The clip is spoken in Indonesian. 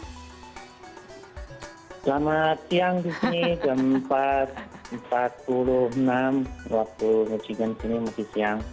selamat siang di sini jam empat empat puluh enam waktu netizen sini masih siang